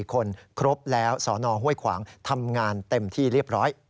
คนครบแล้วสนห้วยขวางทำงานเต็มที่เรียบร้อย